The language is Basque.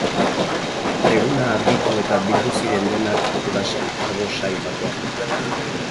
Eguna argitu eta bildu ziren denak Judasen arbola sail batean.